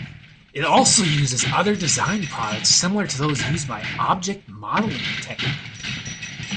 It also uses other design products similar to those used by Object-modeling technique.